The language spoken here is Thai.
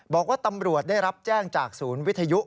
บอกว่าตำรวจได้รับแจ้งจากศูนย์วิทยุ